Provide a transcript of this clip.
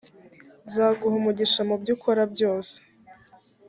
nzaguha umugisha mu byo ukora byose